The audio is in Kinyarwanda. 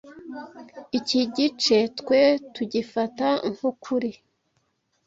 Iki Gice twe tugifata nk'ukuri